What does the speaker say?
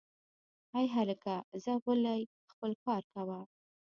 ای هلکه ځه غولی خپل کار کوه